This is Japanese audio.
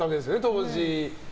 当時。